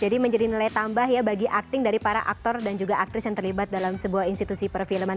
jadi menjadi nilai tambah ya bagi acting dari para aktor dan juga aktris yang terlibat dalam sebuah institusi perfilman